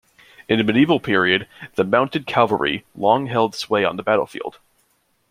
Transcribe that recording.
In the Medieval period, the mounted cavalry long held sway on the battlefield.